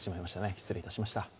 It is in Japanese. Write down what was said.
失礼いたしました。